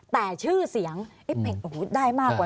แต่ชื่อเสียงได้มากกว่า